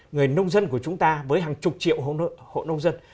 người nông dân của chúng ta với hàng chục triệu hộ nông dân